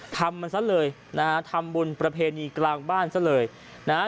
ทำมันซะเลยนะฮะทำบุญประเพณีกลางบ้านซะเลยนะฮะ